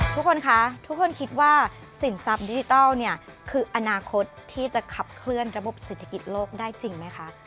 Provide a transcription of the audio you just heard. ทุกคนคะทุกคนคิดว่าสินทรัพย์ดิจิทัลเนี่ยคืออนาคตที่จะขับเคลื่อนระบบเศรษฐกิจโลกได้จริงไหมคะ